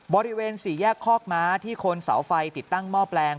บริเวณสี่แยกคอกม้าที่คนเสาไฟติดตั้งหม้อแปลง